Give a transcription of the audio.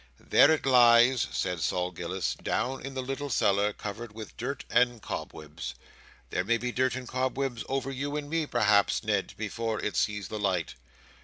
"There it lies," said Sol Gills, "down in the little cellar, covered with dirt and cobwebs. There may be dirt and cobwebs over you and me perhaps, Ned, before it sees the light."